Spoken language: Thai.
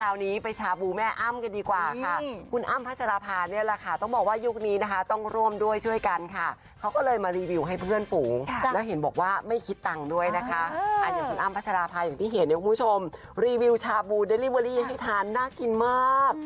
คราวนี้ไปชาบูแม่อ้ำกันดีกว่าค่ะคุณอ้ำพัชราภาเนี่ยแหละค่ะต้องบอกว่ายุคนี้นะคะต้องร่วมด้วยช่วยกันค่ะเขาก็เลยมารีวิวให้เพื่อนฝูงแล้วเห็นบอกว่าไม่คิดตังค์ด้วยนะคะอย่างคุณอ้ำพัชราภาอย่างที่เห็นเนี่ยคุณผู้ชมรีวิวชาบูเดลิเวอรี่ให้ทานน่ากินมาก